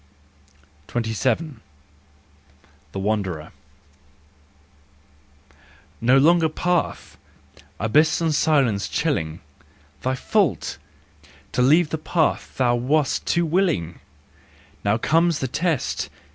27. The Wanderer ." No longer path! Abyss and silence chilling! " Thy fault! To leave the path thou wast too willing! Now comes the test!